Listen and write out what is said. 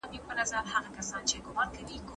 افغان ښوونکي د ډیپلوماټیک پاسپورټ اخیستلو حق نه لري.